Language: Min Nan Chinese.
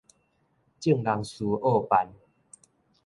眾人事僫辦